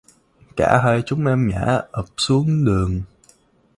cả hai chúng em ngã ập xuống đường